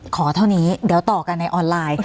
เท่านี้เดี๋ยวต่อกันในออนไลน์